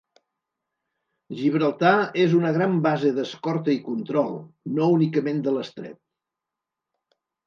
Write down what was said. Gibraltar és una gran base d’escorta i control, no únicament de l’estret.